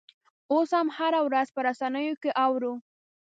اوس هم هره ورځ په رسنیو کې اورو.